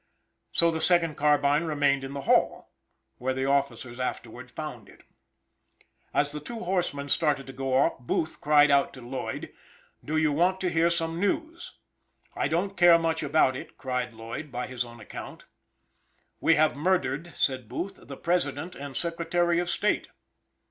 So the second carbine remained in the hall, where the officers afterward found it. As the two horsemen started to go off, Booth cried out to Lloyd: "Do you want to hear some news?" "I don't care much about it," cried Lloyd, by his own account. "We have murdered," said Booth, "the President and Secretary of State!"